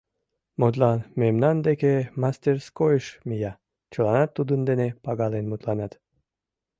Мутлан, мемнан деке, мастерскойыш мия — чыланат тудын дене пагален мутланат.